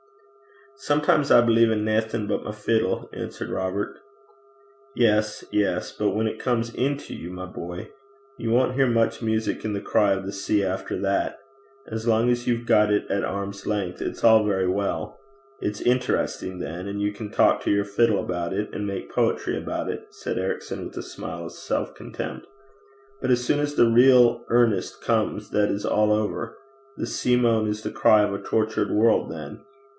'Sometimes I believe in naething but my fiddle,' answered Robert. 'Yes, yes. But when it comes into you, my boy! You won't hear much music in the cry of the sea after that. As long as you've got it at arm's length, it's all very well. It's interesting then, and you can talk to your fiddle about it, and make poetry about it,' said Ericson, with a smile of self contempt. 'But as soon as the real earnest comes that is all over. The sea moan is the cry of a tortured world then.